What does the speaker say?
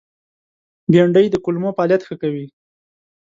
بېنډۍ د کولمو فعالیت ښه کوي